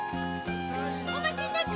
お待ちになって！